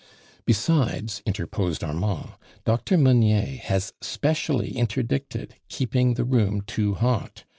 "Besides," interposed Armand, "Dr. Meunier has specially interdicted keeping the room too hot.